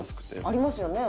ありますよね。